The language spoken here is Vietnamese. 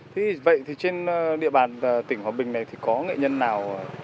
thế thì vậy thì trên địa bàn tỉnh hòa bình này thì có nghệ nhân nào